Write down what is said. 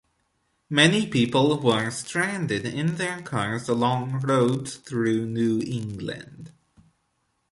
Many people were stranded in their cars along roads throughout New England.